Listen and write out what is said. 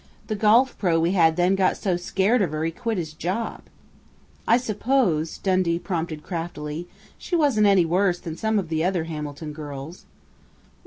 The golf 'pro' we had then got so scared of her he quit his job!" "I suppose," Dundee prompted craftily, "she wasn't any worse than some of the other Hamilton girls."